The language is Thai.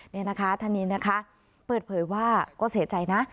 นี่นะคะท่านนี้นะคะเปิดเผยว่าก็เสียใจนะ